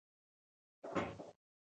قهرمان بدل سوی وو.